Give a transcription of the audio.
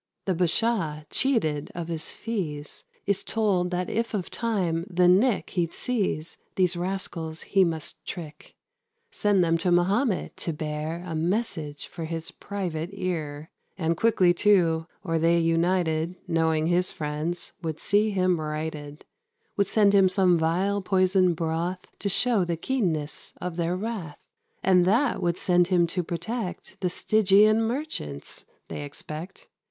The Bashaw, cheated of his fees, Is told that if of time the nick He'd seize, these rascals he must trick Send them to Mahomet, to bear A message for his private ear; And quickly, too, or they united, Knowing his friends, would see him righted; Would send him some vile poison broth, To show the keenness of their wrath; And that would send him to protect The Stygian merchants, they expect.